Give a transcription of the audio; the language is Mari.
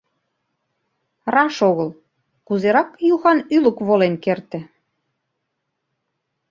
Раш огыл, кузерак Юхан ӱлык волен керте.